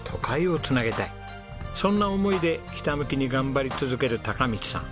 そんな思いでひたむきに頑張り続ける貴道さん。